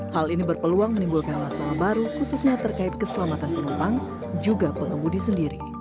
hal ini berpeluang menimbulkan masalah baru khususnya terkait keselamatan penumpang juga pengemudi sendiri